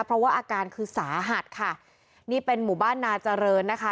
เพราะว่าอาการคือสาหัสค่ะนี่เป็นหมู่บ้านนาเจริญนะคะ